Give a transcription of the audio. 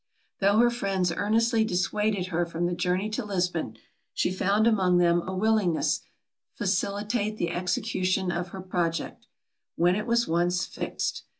Though her friends earnestly dissuaded her from the journey to Lisbon, she found among them a willingness facilitate the execution of her project, when it was once fixed.